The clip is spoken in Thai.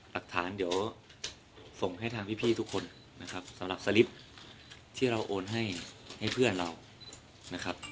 หลักฐานเดี๋ยวส่งให้ทางพี่ทุกคนนะครับสำหรับสลิปที่เราโอนให้เพื่อนเรานะครับ